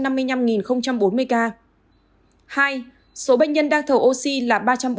hai số bệnh nhân đang thở oxy là ba trăm bốn mươi ca